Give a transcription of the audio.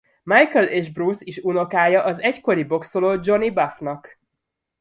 Michael és Bruce is unokája az egykori bokszoló Johnny Buffnak.